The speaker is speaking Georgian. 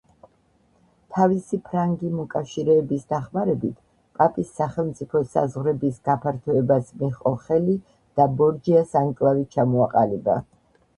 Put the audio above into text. თავისი ფრანგი მოკავშირეების დახმარებით, პაპის სახელმწიფო საზღვრების გაფართოებას მიჰყო ხელი და ბორჯიას ანკლავი ჩამოაყალიბა.